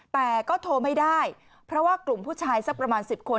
แต่ก็โทรไม่ได้เพราะว่ากลุ่มผู้ชายสักประมาณ๑๐คน